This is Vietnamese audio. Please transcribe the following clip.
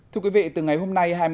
thưa quý vị từ ngày hôm nay